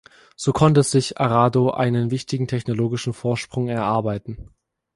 So konnte sich Arado einen wichtigen technologischen Vorsprung erarbeiten.